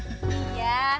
iya emang kenapa tuh pak